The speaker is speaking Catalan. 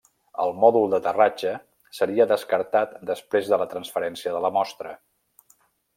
El mòdul d'aterratge seria descartat després de la transferència de la mostra.